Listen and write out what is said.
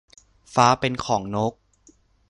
ฟ้าเป็นของนก